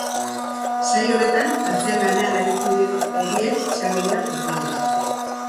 Saio honetan, atzean lanean aritu diren horiek izango dira protagonista.